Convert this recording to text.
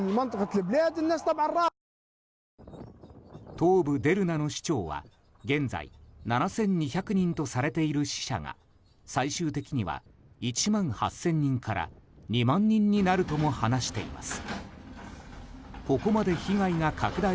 東部デルナの市長は現在７２００人とされている死者が最終的には１万８０００人から２万人になるとも話しています。